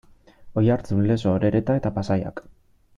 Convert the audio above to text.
Oiartzun, Lezo, Orereta eta Pasaiak.